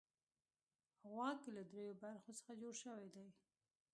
غوږ له دریو برخو څخه جوړ شوی دی.